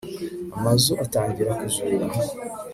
amazu atangira kuzura